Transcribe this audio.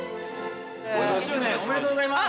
◆５０周年おめでとうございます。